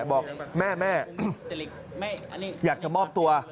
บอกแม่แม่อยากจะมอบตัว